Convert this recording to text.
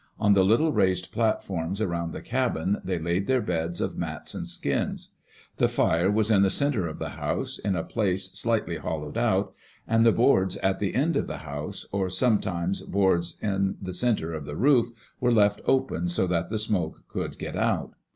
On the little raised platforms around the cabin, they laid their beds of mats and skins. The fire was in the centre of the house, in a place slightly hollowed out; and the boards at the end of the house, or sometimes boards in the centre of the roof, were left open so that the smoke could get out.